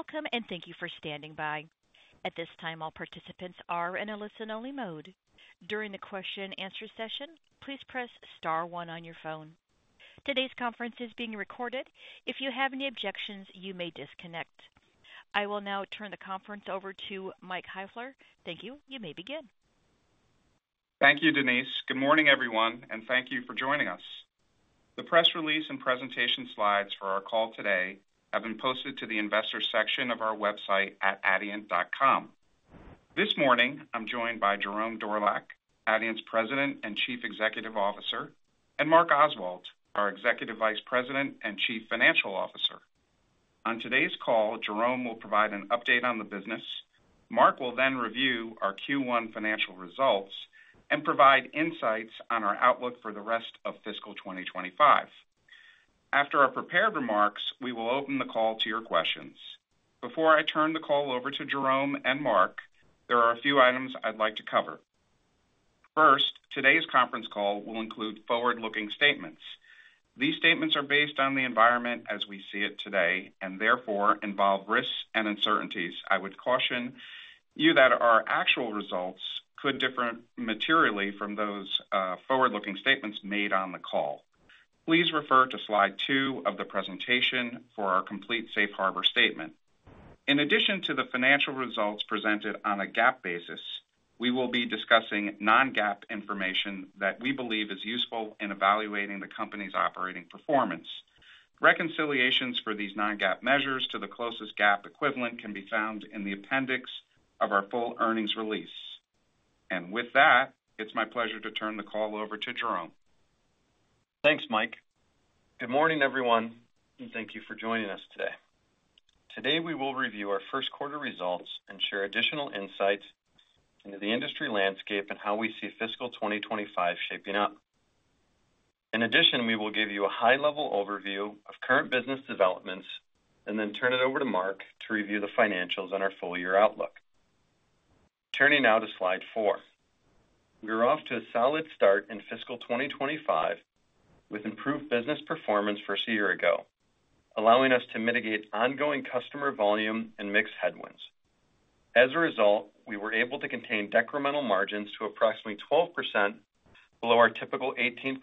Welcome, and thank you for standing by. At this time, all participants are in a listen-only mode. During the question-and-answer session, please press star one on your phone. Today's conference is being recorded. If you have any objections, you may disconnect. I will now turn the conference over to Mark Heifler. Thank you. You may begin. Thank you, Denise. Good morning, everyone, and thank you for joining us. The press release and presentation slides for our call today have been posted to the investor section of our website at adient.com. This morning, I'm joined by Jerome Dorlack, Adient's President and Chief Executive Officer, and Mark Oswald, our Executive Vice President and Chief Financial Officer. On today's call, Jerome will provide an update on the business. Mark will then review our Q1 financial results and provide insights on our outlook for the rest of FY2025. After our prepared remarks, we will open the call to your questions. Before I turn the call over to Jerome and Mark, there are a few items I'd like to cover. First, today's conference call will include forward-looking statements. These statements are based on the environment as we see it today and therefore involve risks and uncertainties. I would caution you that our actual results could differ materially from those forward-looking statements made on the call. Please refer to slide two of the presentation for our complete safe harbor statement. In addition to the financial results presented on a GAAP basis, we will be discussing non-GAAP information that we believe is useful in evaluating the company's operating performance. Reconciliations for these non-GAAP measures to the closest GAAP equivalent can be found in the appendix of our full earnings release. And with that, it's my pleasure to turn the call over to Jerome. Thanks, Mark. Good morning, everyone, and thank you for joining us today. Today, we will review our Q1 results and share additional insights into the industry landscape and how we see FY2025 shaping up. In addition, we will give you a high-level overview of current business developments and then turn it over to Mark to review the financials on our full year outlook. Turning now to slide four, we're off to a solid start in FY2025 with improved business performance versus a year ago, allowing us to mitigate ongoing customer volume and mix headwinds. As a result, we were able to contain decremental margins to approximately 12% below our typical 18%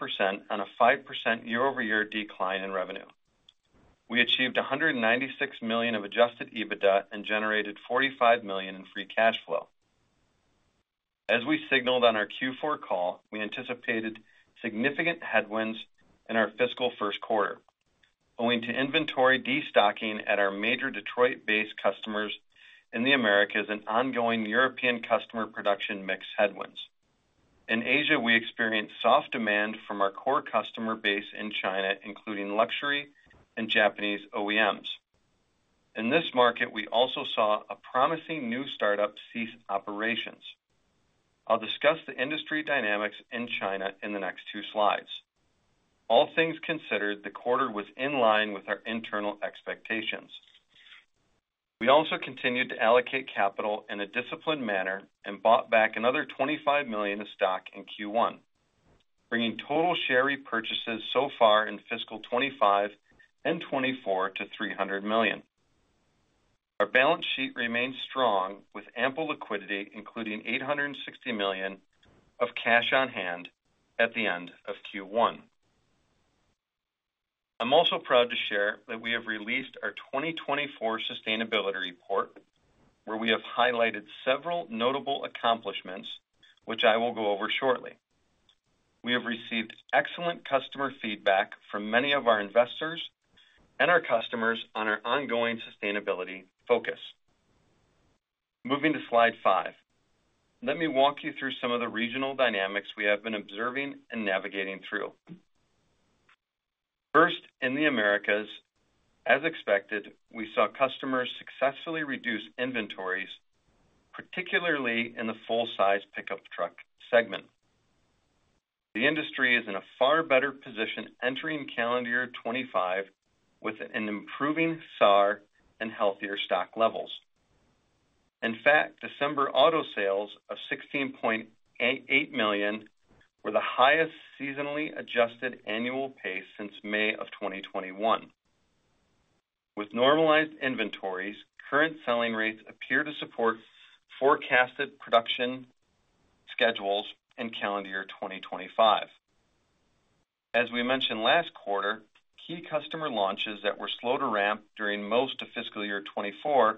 on a 5% year-over-year decline in revenue. We achieved $196 million of Adjusted EBITDA and generated $45 million in Free Cash Flow. As we signaled on our Q4 call, we anticipated significant headwinds in our fiscal Q1, owing to inventory destocking at our major Detroit-based customers in the Americas and ongoing European customer production mix headwinds. In Asia, we experienced soft demand from our core customer base in China, including luxury and Japanese OEMs. In this market, we also saw a promising new startup cease operations. I'll discuss the industry dynamics in China in the next two slides. All things considered, the quarter was in line with our internal expectations. We also continued to allocate capital in a disciplined manner and bought back another $25 million of stock in Q1, bringing total share repurchases so far in FY2025 and FY2024 to $300 million. Our balance sheet remained strong with ample liquidity, including $860 million of cash on hand at the end of Q1. I'm also proud to share that we have released our 2024 sustainability report, where we have highlighted several notable accomplishments, which I will go over shortly. We have received excellent customer feedback from many of our investors and our customers on our ongoing sustainability focus. Moving to slide five, let me walk you through some of the regional dynamics we have been observing and navigating through. First, in the Americas, as expected, we saw customers successfully reduce inventories, particularly in the full-size pickup truck segment. The industry is in a far better position entering calendar year 2025 with an improving SAAR and healthier stock levels. In fact, December auto sales of 16.8 million were the highest seasonally adjusted annual pace since May of 2021. With normalized inventories, current selling rates appear to support forecasted production schedules in calendar year 2025. As we mentioned last quarter, key customer launches that were slow to ramp during most of FY2024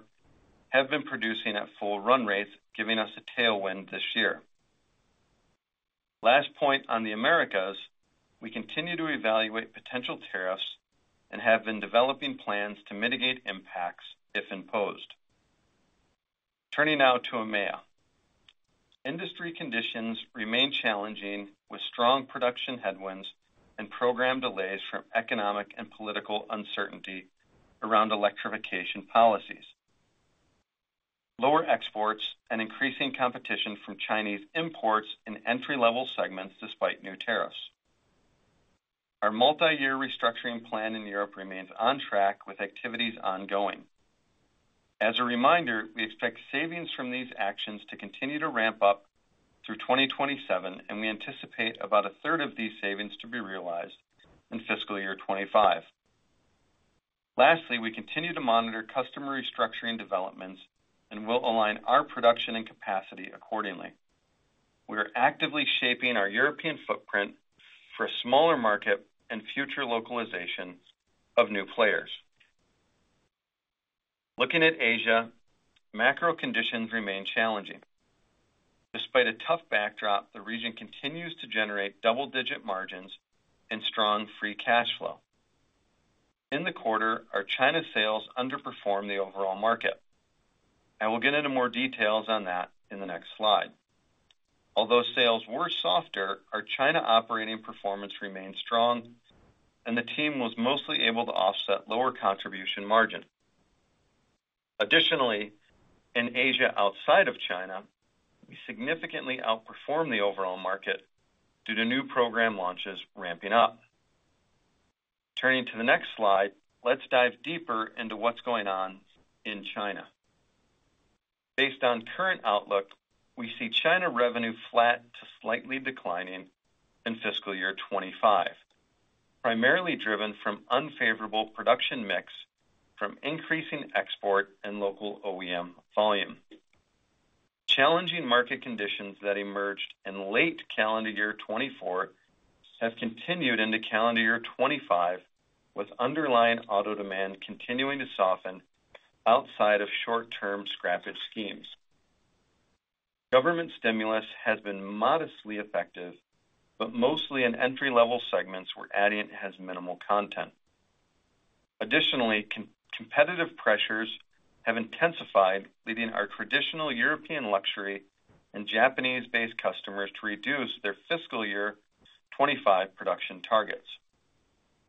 have been producing at full run rates, giving us a tailwind this year. Last point on the Americas, we continue to evaluate potential tariffs and have been developing plans to mitigate impacts if imposed. Turning now to EMEA, industry conditions remain challenging with strong production headwinds and program delays from economic and political uncertainty around electrification policies, lower exports, and increasing competition from Chinese imports in entry-level segments despite new tariffs. Our multi-year restructuring plan in Europe remains on track with activities ongoing. As a reminder, we expect savings from these actions to continue to ramp up through 2027, and we anticipate about a third of these savings to be realized in FY2025. Lastly, we continue to monitor customer restructuring developments and will align our production and capacity accordingly. We are actively shaping our European footprint for a smaller market and future localization of new players. Looking at Asia, macro conditions remain challenging. Despite a tough backdrop, the region continues to generate double-digit margins and strong free cash flow. In the quarter, our China sales underperformed the overall market. I will get into more details on that in the next slide. Although sales were softer, our China operating performance remained strong, and the team was mostly able to offset lower contribution margins. Additionally, in Asia outside of China, we significantly outperformed the overall market due to new program launches ramping up. Turning to the next slide, let's dive deeper into what's going on in China. Based on current outlook, we see China revenue flat to slightly declining in FY2025, primarily driven from unfavorable production mix from increasing export and local OEM volume. Challenging market conditions that emerged in late calendar year 2024 have continued into calendar year 2025, with underlying auto demand continuing to soften outside of short-term scrappage schemes. Government stimulus has been modestly effective, but mostly in entry-level segments where Adient has minimal content. Additionally, competitive pressures have intensified, leading our traditional European luxury and Japanese-based customers to reduce their FY2025 production targets.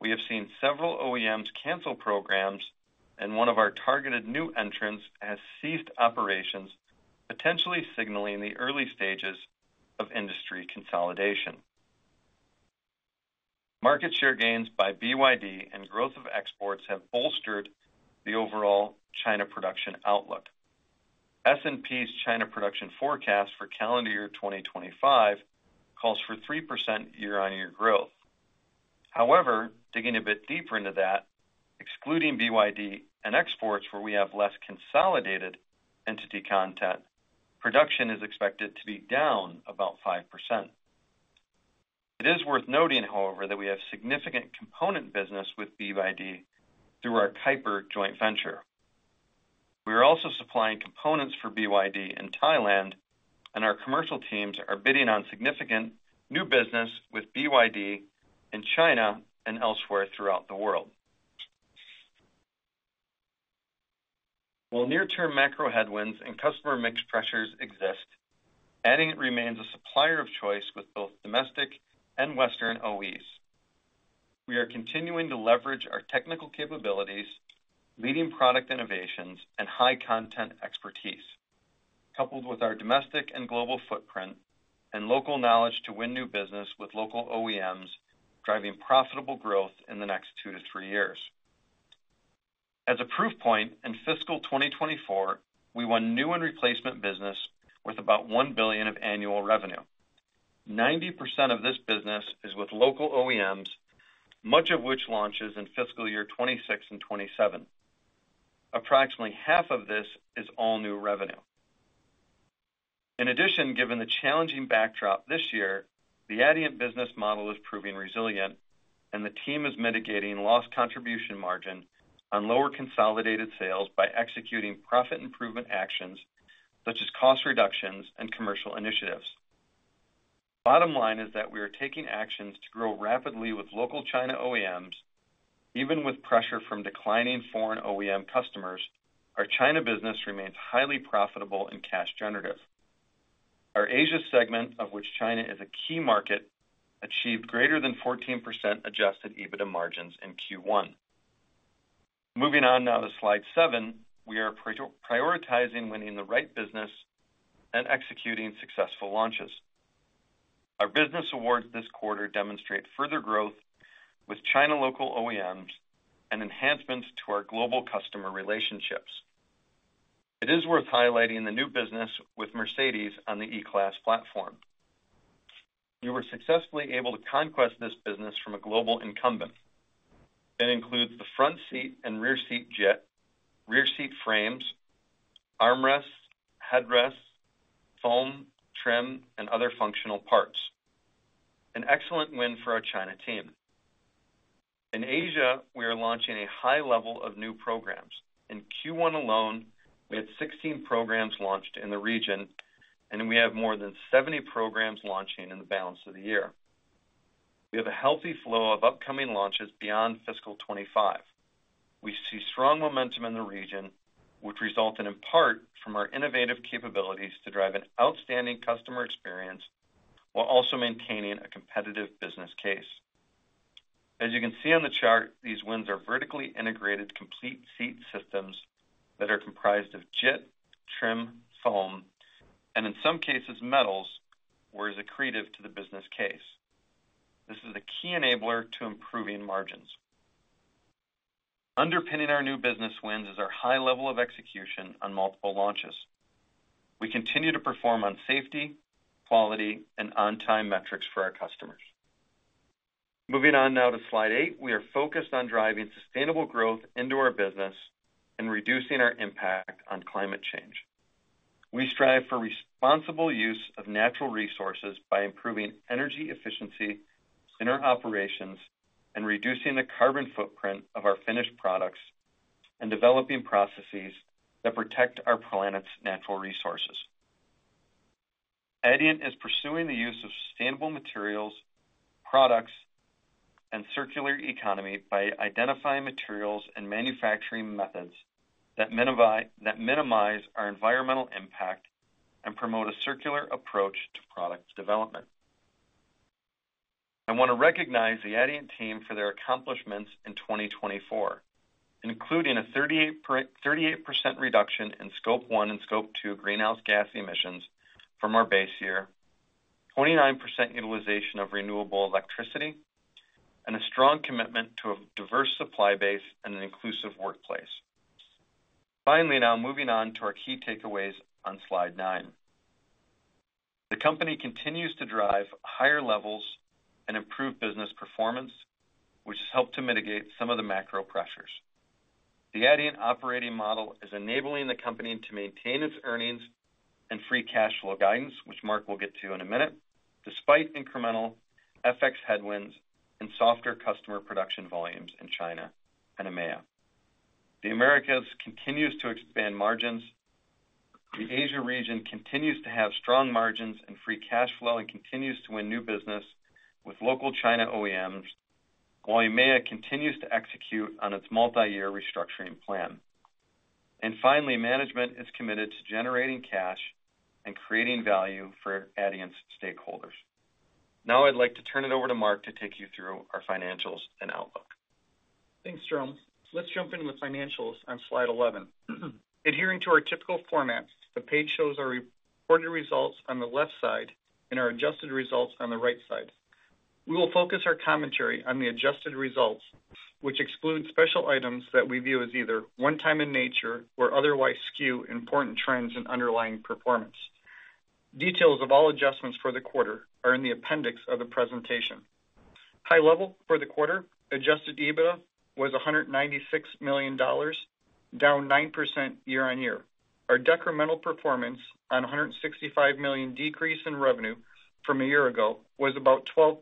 We have seen several OEMs cancel programs, and one of our targeted new entrants has ceased operations, potentially signaling the early stages of industry consolidation. Market share gains by BYD and growth of exports have bolstered the overall China production outlook. S&P's China production forecast for calendar year 2025 calls for 3% year-on-year growth. However, digging a bit deeper into that, excluding BYD and exports where we have less consolidated entity content, production is expected to be down about 5%. It is worth noting, however, that we have significant component business with BYD through our Keiper joint venture. We are also supplying components for BYD in Thailand, and our commercial teams are bidding on significant new business with BYD in China and elsewhere throughout the world. While near-term macro headwinds and customer mix pressures exist, Adient remains a supplier of choice with both domestic and Western OEs. We are continuing to leverage our technical capabilities, leading product innovations, and high-content expertise, coupled with our domestic and global footprint and local knowledge to win new business with local OEMs, driving profitable growth in the next two to three years. As a proof point, in FY2024, we won new and replacement business with about $1 billion of annual revenue. 90% of this business is with local OEMs, much of which launches in FY2026 and FY2027. Approximately half of this is all new revenue. In addition, given the challenging backdrop this year, the Adient business model is proving resilient, and the team is mitigating lost contribution margin on lower consolidated sales by executing profit improvement actions such as cost reductions and commercial initiatives. Bottom line is that we are taking actions to grow rapidly with local China OEMs. Even with pressure from declining foreign OEM customers, our China business remains highly profitable and cash-generative. Our Asia segment, of which China is a key market, achieved greater than 14% adjusted EBITDA margins in Q1. Moving on now to slide seven, we are prioritizing winning the right business and executing successful launches. Our business awards this quarter demonstrate further growth with China local OEMs and enhancements to our global customer relationships. It is worth highlighting the new business with Mercedes on the E-Class platform. We were successfully able to conquest this business from a global incumbent. It includes the front seat and rear seat JIT, rear seat frames, armrests, headrests, foam, trim, and other functional parts. An excellent win for our China team. In Asia, we are launching a high level of new programs. In Q1 alone, we had 16 programs launched in the region, and we have more than 70 programs launching in the balance of the year. We have a healthy flow of upcoming launches beyond FY2025. We see strong momentum in the region, which results in, in part, from our innovative capabilities to drive an outstanding customer experience while also maintaining a competitive business case. As you can see on the chart, these wins are vertically integrated complete seat systems that are comprised of JIT, trim, foam, and in some cases, metals, which are accretive to the business case. This is the key enabler to improving margins. Underpinning our new business wins is our high level of execution on multiple launches. We continue to perform on safety, quality, and on-time metrics for our customers. Moving on now to slide eight, we are focused on driving sustainable growth into our business and reducing our impact on climate change. We strive for responsible use of natural resources by improving energy efficiency in our operations and reducing the carbon footprint of our finished products and developing processes that protect our planet's natural resources. Adient is pursuing the use of sustainable materials, products, and circular economy by identifying materials and manufacturing methods that minimize our environmental impact and promote a circular approach to product development. I want to recognize the Adient team for their accomplishments in 2024, including a 38% reduction in Scope 1 and Scope 2 greenhouse gas emissions from our base year, 29% utilization of renewable electricity, and a strong commitment to a diverse supply base and an inclusive workplace. Finally, now moving on to our key takeaways on slide nine. The company continues to drive higher levels and improved business performance, which has helped to mitigate some of the macro pressures. The Adient operating model is enabling the company to maintain its earnings and free cash flow guidance, which Mark will get to in a minute, despite incremental FX headwinds and softer customer production volumes in China and EMEA. The Americas continues to expand margins. The Asia region continues to have strong margins and free cash flow and continues to win new business with local China OEMs, while EMEA continues to execute on its multi-year restructuring plan, and finally, management is committed to generating cash and creating value for Adient's stakeholders. Now I'd like to turn it over to Mark to take you through our financials and outlook. Thanks, Jerome. Let's jump into the financials on slide 11. Adhering to our typical format, the page shows our reported results on the left side and our adjusted results on the right side. We will focus our commentary on the adjusted results, which excludes special items that we view as either one-time in nature or otherwise skew important trends in underlying performance. Details of all adjustments for the quarter are in the appendix of the presentation. High level for the quarter, adjusted EBITDA was $196 million, down 9% year-on-year. Our decremental performance on $165 million decrease in revenue from a year ago was about 12%,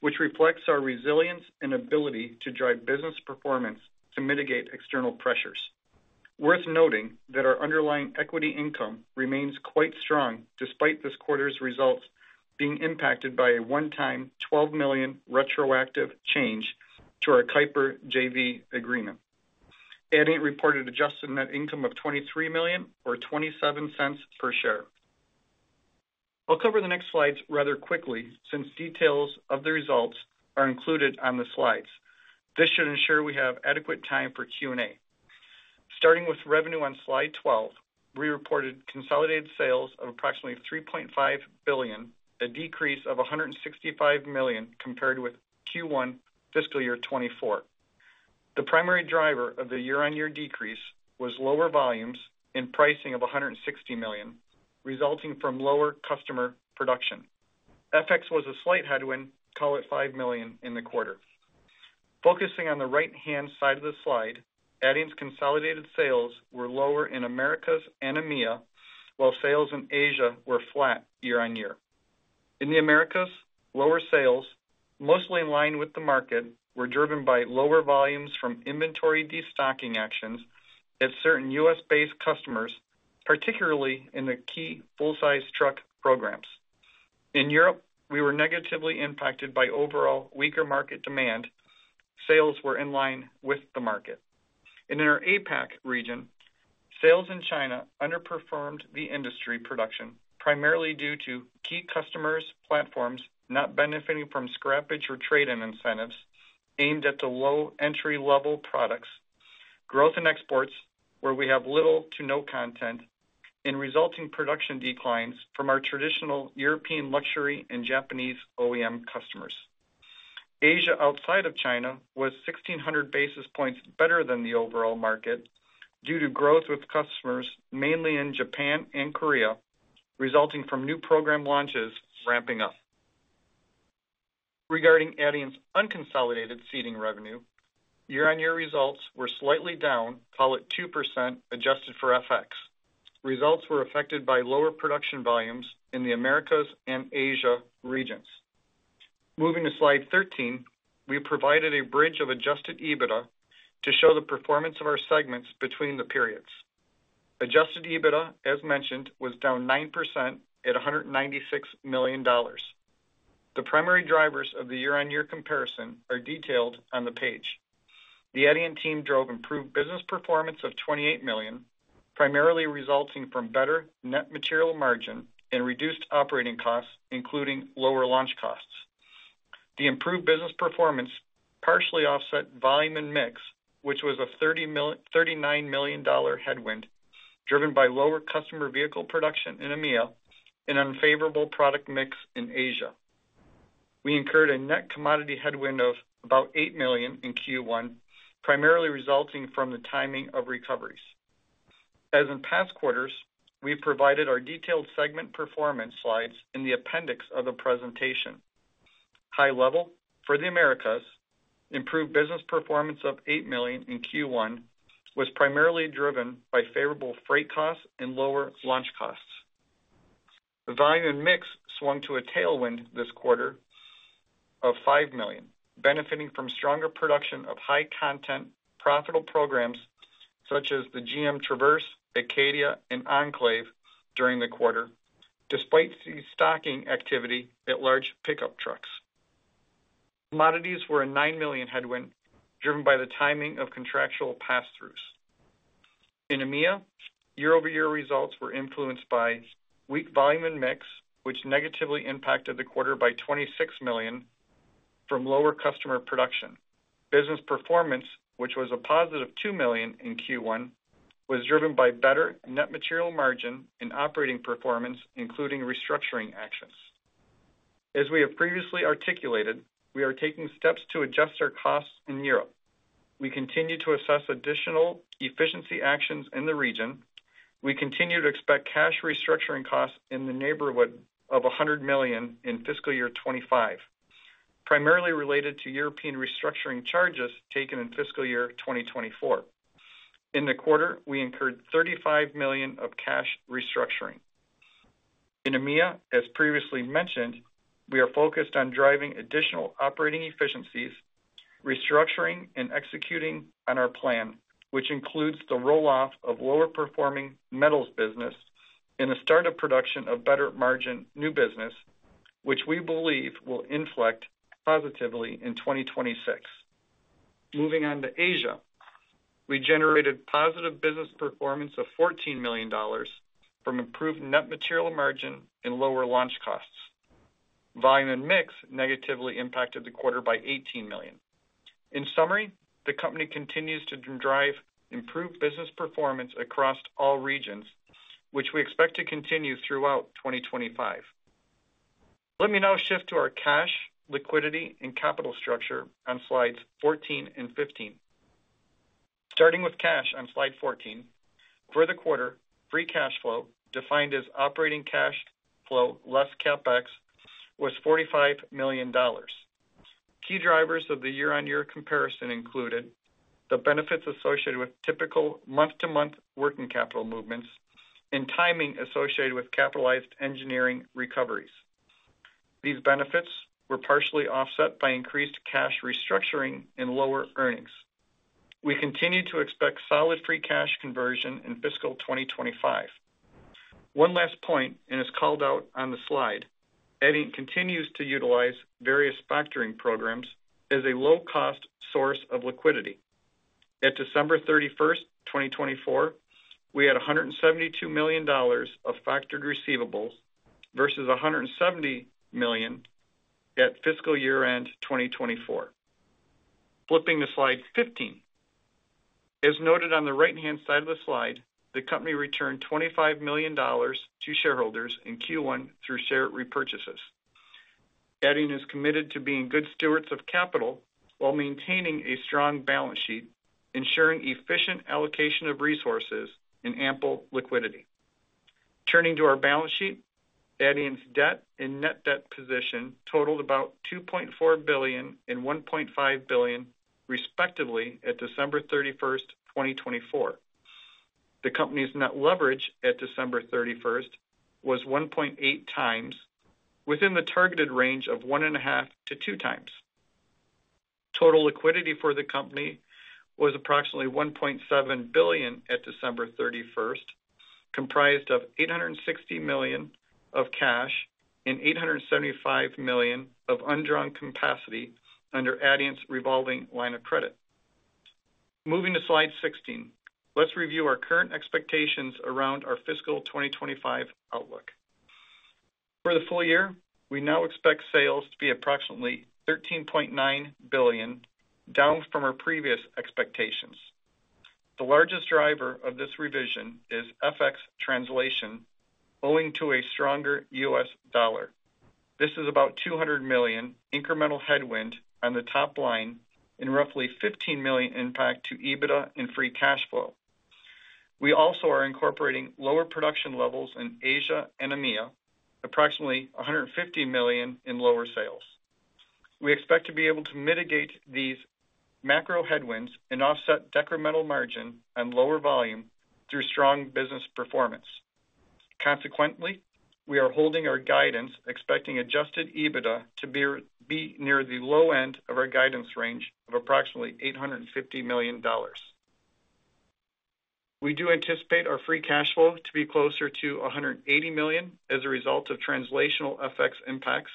which reflects our resilience and ability to drive business performance to mitigate external pressures. Worth noting that our underlying equity income remains quite strong despite this quarter's results being impacted by a one-time $12 million retroactive change to our Keiper JV agreement. Adient reported adjusted net income of $23 million or $0.27 per share. I'll cover the next slides rather quickly since details of the results are included on the slides. This should ensure we have adequate time for Q&A. Starting with revenue on slide 12, we reported consolidated sales of approximately $3.5 billion, a decrease of $165 million compared with Q1 FY2024. The primary driver of the year-on-year decrease was lower volumes and pricing of $160 million, resulting from lower customer production. FX was a slight headwind, call it $5 million in the quarter. Focusing on the right-hand side of the slide, Adient's consolidated sales were lower in Americas and EMEA, while sales in Asia were flat year-on-year. In the Americas, lower sales, mostly in line with the market, were driven by lower volumes from inventory destocking actions at certain U.S.-based customers, particularly in the key full-size truck programs. In Europe, we were negatively impacted by overall weaker market demand. Sales were in line with the market. And in our APAC region, sales in China underperformed the industry production, primarily due to key customers' platforms not benefiting from scrappage or trade-in incentives aimed at the low entry-level products, growth in exports, where we have little to no content, and resulting production declines from our traditional European luxury and Japanese OEM customers. Asia outside of China was 1,600 basis points better than the overall market due to growth with customers mainly in Japan and Korea, resulting from new program launches ramping up. Regarding Adient's unconsolidated seating revenue, year-on-year results were slightly down, call it 2% adjusted for FX. Results were affected by lower production volumes in the Americas and Asia regions. Moving to slide 13, we provided a bridge of adjusted EBITDA to show the performance of our segments between the periods. Adjusted EBITDA, as mentioned, was down 9% at $196 million. The primary drivers of the year-on-year comparison are detailed on the page. The Adient team drove improved business performance of $28 million, primarily resulting from better net material margin and reduced operating costs, including lower launch costs. The improved business performance partially offset volume and mix, which was a $39 million headwind driven by lower customer vehicle production in EMEA and unfavorable product mix in Asia. We incurred a net commodity headwind of about $8 million in Q1, primarily resulting from the timing of recoveries. As in past quarters, we provided our detailed segment performance slides in the appendix of the presentation. High level for the Americas, improved business performance of $8 million in Q1 was primarily driven by favorable freight costs and lower launch costs. Volume and mix swung to a tailwind this quarter of $5 million, benefiting from stronger production of high-content profitable programs such as the GM Traverse, Acadia, and Enclave during the quarter, despite the stocking activity at large pickup trucks. Commodities were a $9 million headwind driven by the timing of contractual pass-throughs. In EMEA, year-over-year results were influenced by weak volume and mix, which negatively impacted the quarter by $26 million from lower customer production. Business performance, which was a positive $2 million in Q1, was driven by better net material margin and operating performance, including restructuring actions. As we have previously articulated, we are taking steps to adjust our costs in Europe. We continue to assess additional efficiency actions in the region. We continue to expect cash restructuring costs in the neighborhood of $100 million in FY2025, primarily related to European restructuring charges taken in FY2024. In the quarter, we incurred $35 million of cash restructuring. In EMEA, as previously mentioned, we are focused on driving additional operating efficiencies, restructuring, and executing on our plan, which includes the roll-off of lower-performing metals business and the start of production of better-margin new business, which we believe will inflect positively in 2026. Moving on to Asia, we generated positive business performance of $14 million from improved net material margin and lower launch costs. Volume and mix negatively impacted the quarter by $18 million. In summary, the company continues to drive improved business performance across all regions, which we expect to continue throughout 2025. Let me now shift to our cash, liquidity, and capital structure on slides 14 and 15. Starting with cash on slide 14, for the quarter, free cash flow, defined as operating cash flow less CapEx, was $45 million. Key drivers of the year-on-year comparison included the benefits associated with typical month-to-month working capital movements and timing associated with capitalized engineering recoveries. These benefits were partially offset by increased cash restructuring and lower earnings. We continue to expect solid free cash conversion in FY2025. One last point, and it's called out on the slide, Adient continues to utilize various factoring programs as a low-cost source of liquidity. At December 31st, 2024, we had $172 million of factored receivables versus $170 million at Fiscal year-end 2024. Flipping to slide 15, as noted on the right-hand side of the slide, the company returned $25 million to shareholders in Q1 through share repurchases. Adient is committed to being good stewards of capital while maintaining a strong balance sheet, ensuring efficient allocation of resources and ample liquidity. Turning to our balance sheet, Adient's debt and net debt position totaled about $2.4 billion and $1.5 billion, respectively, at December 31st, 2024. The company's net leverage at December 31st was 1.8 times, within the targeted range of one and a half to two times. Total liquidity for the company was approximately $1.7 billion at December 31st, comprised of $860 million of cash and $875 million of undrawn capacity under Adient's revolving line of credit. Moving to slide 16, let's review our current expectations around our FY2025 outlook. For the full year, we now expect sales to be approximately $13.9 billion, down from our previous expectations. The largest driver of this revision is FX translation, owing to a stronger U.S. dollar. This is about $200 million incremental headwind on the top line, and roughly $15 million impact to EBITDA and free cash flow. We also are incorporating lower production levels in Asia and EMEA, approximately $150 million in lower sales. We expect to be able to mitigate these macro headwinds and offset decremental margin on lower volume through strong business performance. Consequently, we are holding our guidance, expecting adjusted EBITDA to be near the low end of our guidance range of approximately $850 million. We do anticipate our free cash flow to be closer to $180 million as a result of translational FX impacts.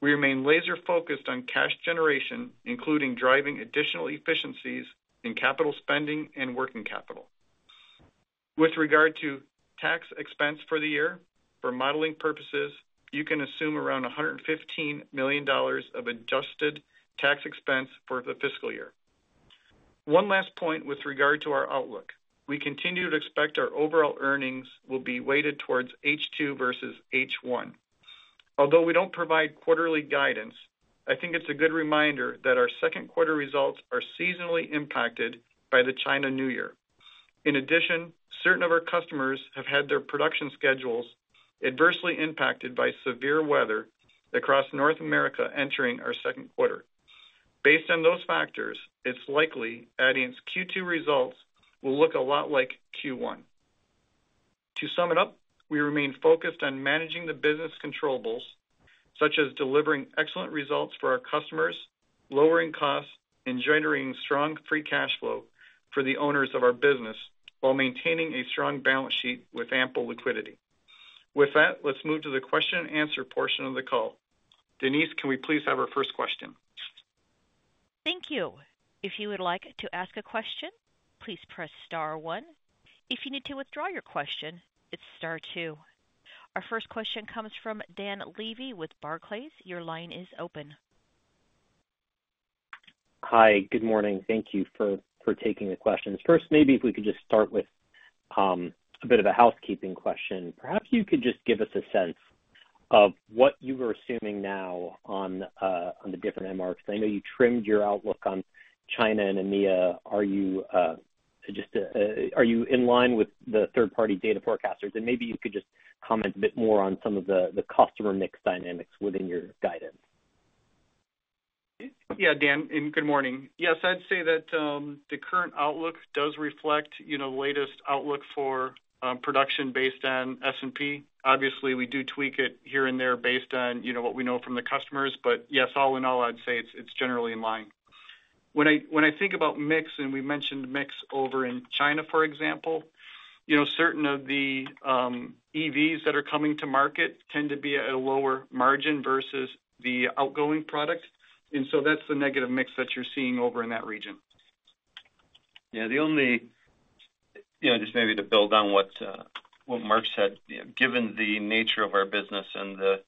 We remain laser-focused on cash generation, including driving additional efficiencies in capital spending and working capital. With regard to tax expense for the year, for modeling purposes, you can assume around $115 million of adjusted tax expense for the fiscal year. One last point with regard to our outlook. We continue to expect our overall earnings will be weighted towards H2 versus H1. Although we don't provide quarterly guidance, I think it's a good reminder that our Q2 results are seasonally impacted by the Chinese New Year. In addition, certain of our customers have had their production schedules adversely impacted by severe weather across North America entering our Q2 Based on those factors, it's likely Adient's Q2 results will look a lot like Q1. To sum it up, we remain focused on managing the business controllable, such as delivering excellent results for our customers, lowering costs, and generating strong free cash flow for the owners of our business while maintaining a strong balance sheet with ample liquidity. With that, let's move to the question-and-answer portion of the call. Denise, can we please have our first question? Thank you. If you would like to ask a question, please press star one. If you need to withdraw your question, it's star two. Our first question comes from Dan Levy with Barclays. Your line is open. Hi, good morning. Thank you for taking the questions. First, maybe if we could just start with a bit of a housekeeping question. Perhaps you could just give us a sense of what you are assuming now on the different MRs. I know you trimmed your outlook on China and EMEA. Are you just in line with the third-party data forecasters? And maybe you could just comment a bit more on some of the customer mix dynamics within your guidance. Yeah, Dan, and good morning. Yes, I'd say that the current outlook does reflect the latest outlook for production based on S&P. Obviously, we do tweak it here and there based on what we know from the customers, but yes, all in all, I'd say it's generally in line. When I think about mix, and we mentioned mix over in China, for example, certain of the EVs that are coming to market tend to be at a lower margin versus the outgoing product. And so that's the negative mix that you're seeing over in that region. Yeah, only just maybe to build on what Mark said, given the nature of our business and the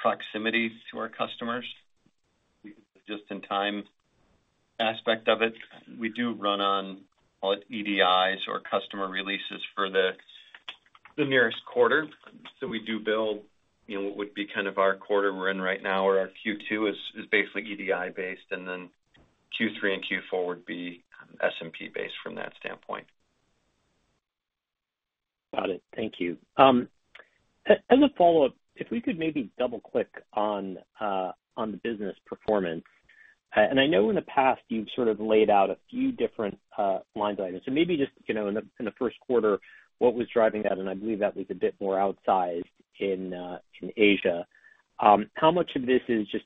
proximity to our customers, just in time aspect of it, we do run on, call it EDIs or customer releases for the nearest quarter. So we do build what would be kind of our quarter we're in right now, or our Q2 is basically EDI-based, and then Q3 and Q4 would be S&P-based from that standpoint. Got it. Thank you. As a follow-up, if we could maybe double-click on the business performance. And I know in the past you've sort of laid out a few different lines of items. So maybe just in the Q1, what was driving that? And I believe that was a bit more outsized in Asia. How much of this is just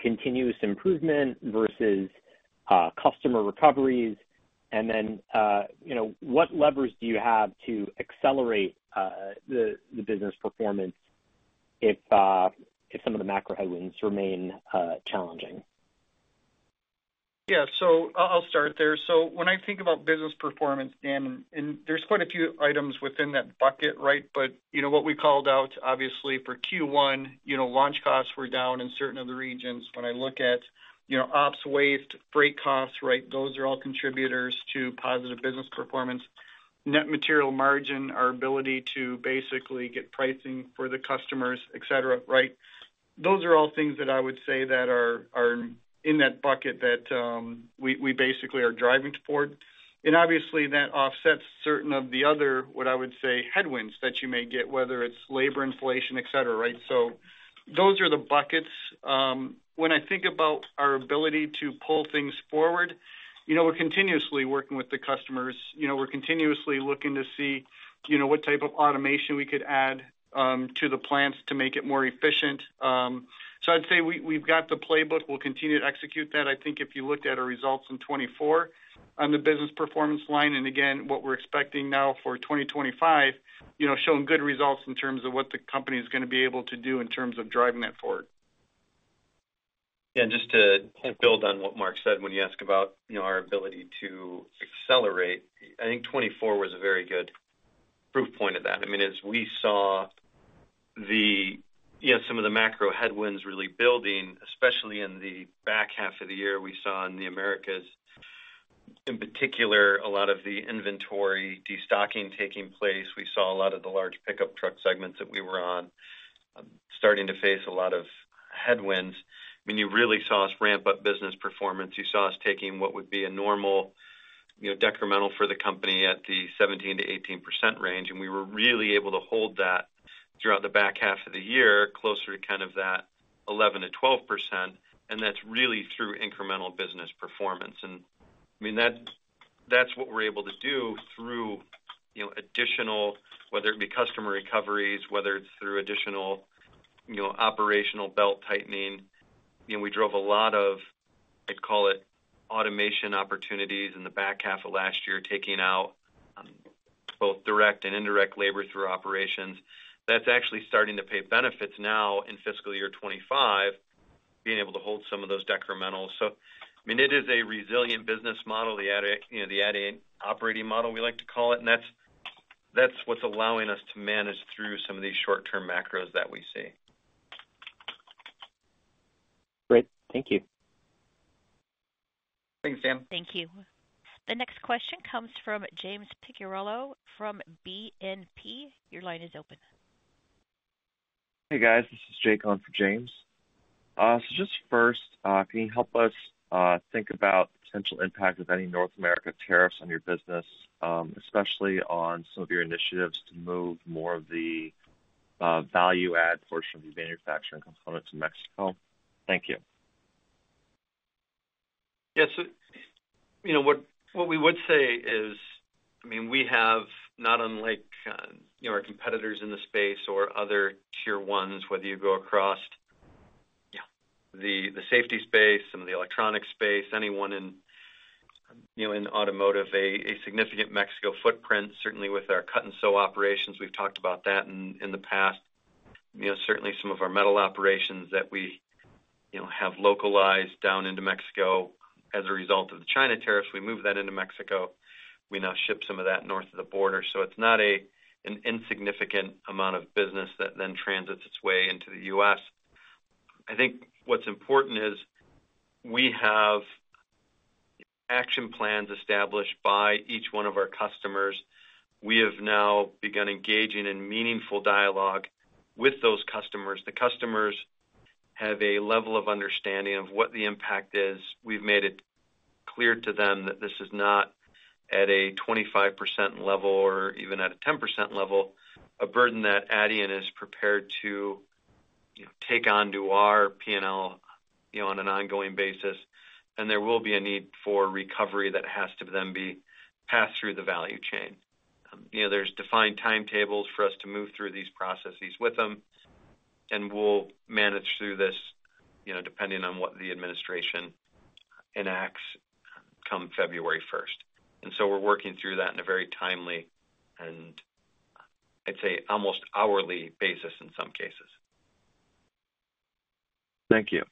continuous improvement versus customer recoveries? And then what levers do you have to accelerate the business performance if some of the macro headwinds remain challenging? Yeah, so I'll start there. So when I think about business performance, Dan, and there's quite a few items within that bucket, right? But what we called out, obviously, for Q1, launch costs were down in certain of the regions. When I look at ops waste, freight costs, right, those are all contributors to positive business performance. Net Material Margin, our ability to basically get pricing for the customers, etc., right? Those are all things that I would say that are in that bucket that we basically are driving toward. And obviously, that offsets certain of the other, what I would say, headwinds that you may get, whether it's labor inflation, etc., right? So those are the buckets. When I think about our ability to pull things forward, we're continuously working with the customers. We're continuously looking to see what type of automation we could add to the plants to make it more efficient. So I'd say we've got the playbook. We'll continue to execute that. I think if you looked at our results in 2024 on the business performance line, and again, what we're expecting now for 2025, showing good results in terms of what the company is going to be able to do in terms of driving that forward. Yeah, and just to build on what Mark said when you ask about our ability to accelerate, I think 2024 was a very good proof point of that. I mean, as we saw some of the macro headwinds really building, especially in the back half of the year, we saw in the Americas, in particular, a lot of the inventory destocking taking place. We saw a lot of the large pickup truck segments that we were on starting to face a lot of headwinds. I mean, you really saw us ramp up business performance. You saw us taking what would be a normal decremental for the company at the 17%-18% range. And we were really able to hold that throughout the back half of the year, closer to kind of that 11%-12%. And that's really through incremental business performance. And I mean, that's what we're able to do through additional, whether it be customer recoveries, whether it's through additional operational belt tightening. We drove a lot of, I'd call it, automation opportunities in the back half of last year, taking out both direct and indirect labor through operations. That's actually starting to pay benefits now in FY2025, being able to hold some of those decrementals. So I mean, it is a resilient business model, the operating model we like to call it. That's what's allowing us to manage through some of these short-term macros that we see. Great. Thank you. Thanks, Dan. Thank you. The next question comes from James Picariello from BNP. Your line is open. Hey, guys. This is Jake on for James. So just first, can you help us think about the potential impact of any North America tariffs on your business, especially on some of your initiatives to move more of the value-add portion of your manufacturing component to Mexico? Thank you. Yeah, so what we would say is, I mean, we have, not unlike our competitors in the space or other tier ones, whether you go across the safety space, some of the electronic space, anyone in automotive, a significant Mexico footprint, certainly with our cut-and-sew operations. We've talked about that in the past. Certainly, some of our metal operations that we have localized down into Mexico as a result of the China tariffs, we move that into Mexico. We now ship some of that north of the border, so it's not an insignificant amount of business that then transits its way into the U.S. I think what's important is we have action plans established by each one of our customers. We have now begun engaging in meaningful dialogue with those customers. The customers have a level of understanding of what the impact is. We've made it clear to them that this is not at a 25% level or even at a 10% level, a burden that Adient is prepared to take onto our P&L on an ongoing basis, and there will be a need for recovery that has to then be passed through the value chain. There's defined timetables for us to move through these processes with them, and we'll manage through this depending on what the administration enacts come February 1st. And so we're working through that in a very timely and, I'd say, almost hourly basis in some cases. Thank you.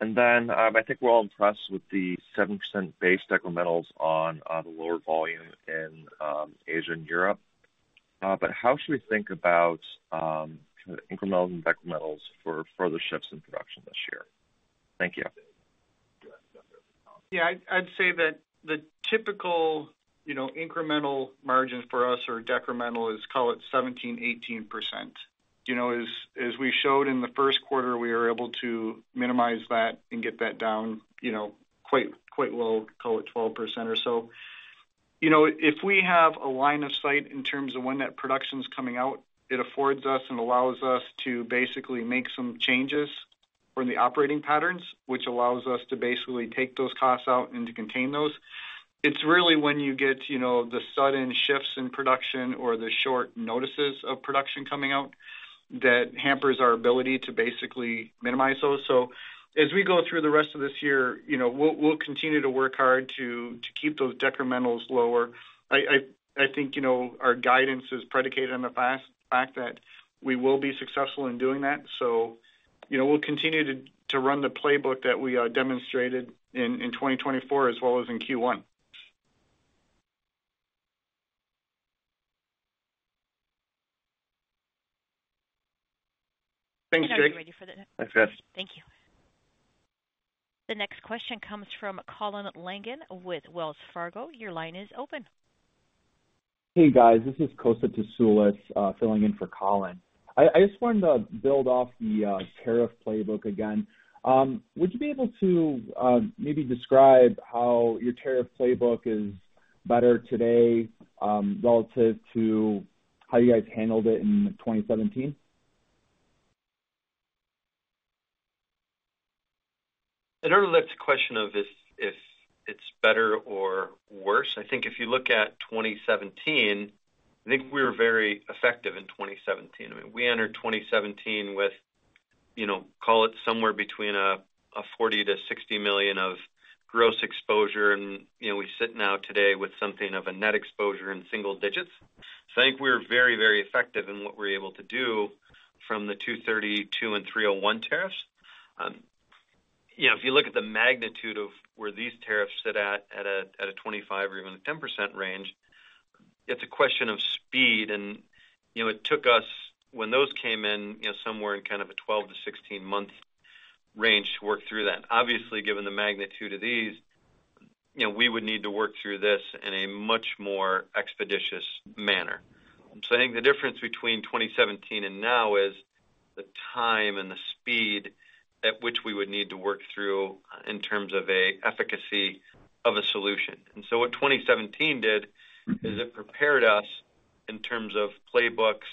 And then I think we're all impressed with the 7% base decrementals on the lower volume in Asia and Europe. But how should we think about incrementals and decrementals for further shifts in production this year? Thank you. Yeah, I'd say that the typical incremental margin for us or decremental is, call it 17%-18%. As we showed in the Q1, we were able to minimize that and get that down quite low, call it 12% or so. If we have a line of sight in terms of when that production's coming out, it affords us and allows us to basically make some changes in the operating patterns, which allows us to basically take those costs out and to contain those. It's really when you get the sudden shifts in production or the short notices of production coming out that hampers our ability to basically minimize those. So as we go through the rest of this year, we'll continue to work hard to keep those decrementals lower. I think our guidance is predicated on the fact that we will be successful in doing that. So we'll continue to run the playbook that we demonstrated in 2024 as well as in Q1. Thanks, Jake. Thanks, Jake. Thank you. The next question comes from Colin Langan with Wells Fargo. Your line is open. Hey, guys. This is Kosta Tasoulis, filling in for Colin. I just wanted to build off the tariff playbook again. Would you be able to maybe describe how your tariff playbook is better today relative to how you guys handled it in 2017? I don't know, that's a question of if it's better or worse. I think if you look at 2017, I think we were very effective in 2017. I mean, we entered 2017 with, call it, somewhere between $40-$60 million of gross exposure. And we sit now today with something of a net exposure in single digits. So I think we were very, very effective in what we were able to do from the 232 and 301 tariffs. If you look at the magnitude of where these tariffs sit at a 25% or even a 10% range, it's a question of speed. And it took us, when those came in, somewhere in kind of a 12-16-month range to work through that. Obviously, given the magnitude of these, we would need to work through this in a much more expeditious manner. So I think the difference between 2017 and now is the time and the speed at which we would need to work through in terms of the efficacy of a solution. And so what 2017 did is it prepared us in terms of playbooks.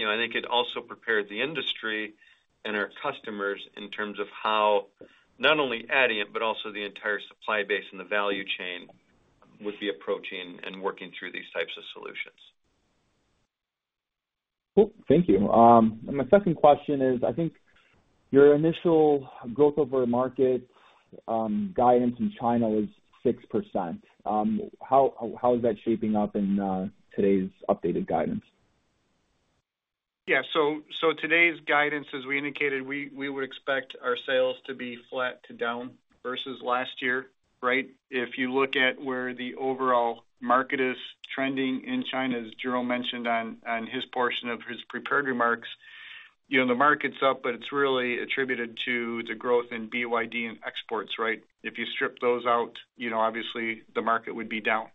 I think it also prepared the industry and our customers in terms of how not only Adient, but also the entire supply base and the value chain would be approaching and working through these types of solutions. Cool. Thank you. And my second question is, I think your initial growth over market guidance in China was 6%. How is that shaping up in today's updated guidance? Yeah. So today's guidance, as we indicated, we would expect our sales to be flat to down versus last year, right? If you look at where the overall market is trending in China, as Jerome mentioned on his portion of his prepared remarks, the market's up, but it's really attributed to the growth in BYD and exports, right? If you strip those out, obviously, the market would be down.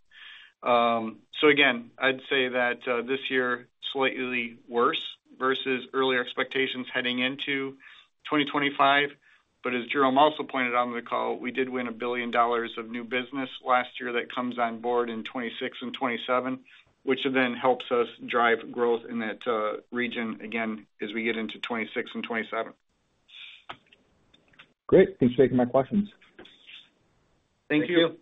So again, I'd say that this year, slightly worse versus earlier expectations heading into 2025. But as Jerome also pointed out on the call, we did win $1 billion of new business last year that comes on board in 2026 and 2027, which then helps us drive growth in that region again as we get into 2026 and 2027. Great. Thanks for taking my questions. Thank you. Thank you.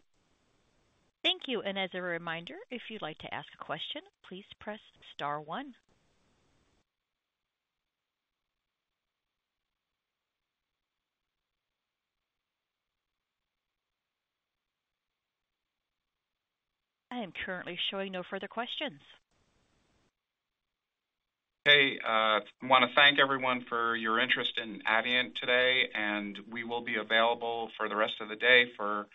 Thank you. As a reminder, if you'd like to ask a question, please press star one. I am currently showing no further questions. Hey, I want to thank everyone for your interest in Adient today. We will be available for the rest of the day. For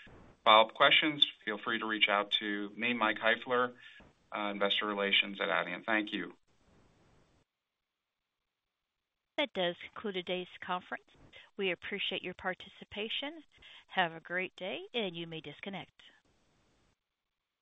follow-up questions, feel free to reach out to me, Mark Heifler, investor relations at Adient. Thank you. That does conclude today's conference. We appreciate your participation. Have a great day, and you may disconnect.